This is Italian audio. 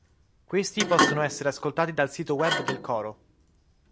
Questi possono essere ascoltati dal sito web del coro.